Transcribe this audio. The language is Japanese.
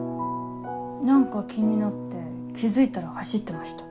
何か気になって気付いたら走ってました。